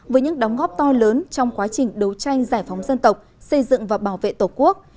với những đóng góp to lớn trong quá trình đấu tranh giải phóng dân tộc xây dựng và bảo vệ tổ quốc